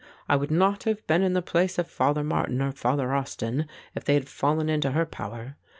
I would not have been in the place of Father Martin or Father Austin if they had fallen into her power.